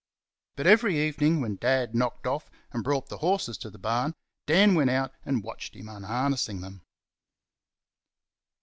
But every evening when Dad knocked off and brought the horses to the barn Dan went out and watched him unharnessing them.